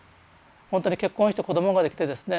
ほんとに結婚して子供ができてですね